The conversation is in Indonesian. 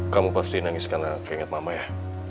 kamu pasti nangis karena keinget mama ya